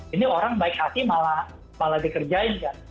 ini orang baik hati malah dikerjain kan